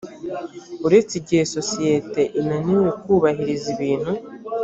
uretse igihe sosiyete inaniwe kubahiriza ibintu